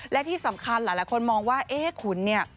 และที่สำคัญหลายคนมองว่าเอ๊ะขุนเนี่ย